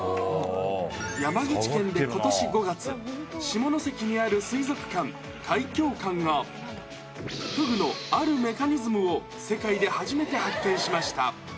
山口県でことし５月、下関にある水族館、海響館がフグのあるメカニズムを世界で初めて発見しました。